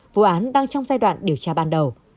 vụ án đang trong giai đoạn điều tra ban đầu